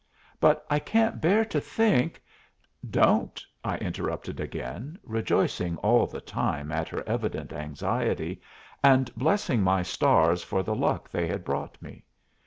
"But I can't bear to think " "Don't," I interrupted again, rejoicing all the time at her evident anxiety, and blessing my stars for the luck they had brought me.